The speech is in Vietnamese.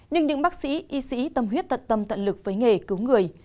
nhưng những bác sĩ y sĩ tâm huyết tận tâm tận lực với nghề cứu người